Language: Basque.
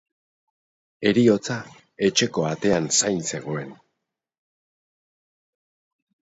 Heriotza etxeko atean zain zegoen.